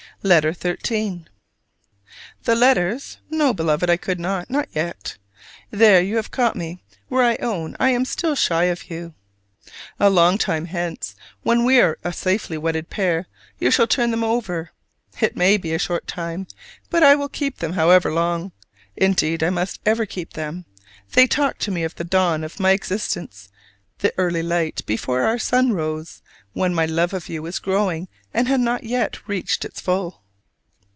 LETTER XIII. The letters? No, Beloved, I could not! Not yet. There you have caught me where I own I am still shy of you. A long time hence, when we are a safely wedded pair, you shall turn them over. It may be a short time; but I will keep them however long. Indeed I must ever keep them; they talk to me of the dawn of my existence, the early light before our sun rose, when my love of you was growing and had not yet reached its full.